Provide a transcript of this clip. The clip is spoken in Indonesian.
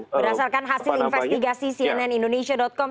berdasarkan hasil investigasi cnn indonesia com